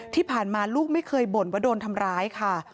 ที่ผ่านมาลูกไม่เคยบ่นว่าโดนทำร้ายค่ะ